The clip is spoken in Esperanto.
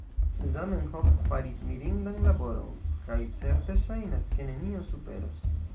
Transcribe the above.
Zamenhof faris mirindan laboron, kaj certe ŝajnas, ke nenio superos